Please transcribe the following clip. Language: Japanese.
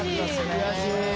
悔しい。